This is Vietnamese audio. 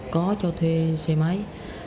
có cho thuê xe máy